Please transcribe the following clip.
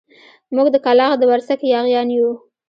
موږ د کلاخ د ورسک ياغيان يو.